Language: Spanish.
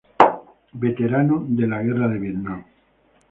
Veterano de la Guerra de Vietnam.